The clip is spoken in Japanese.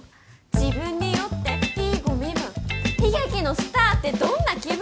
自分に酔っていいご身分悲劇のスターってどんな気分？